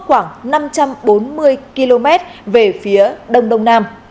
khoảng năm trăm bốn mươi km về phía đông đông nam